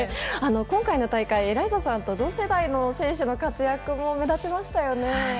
今回の大会エライザさんと同世代の選手の活躍も目立ちましたよね。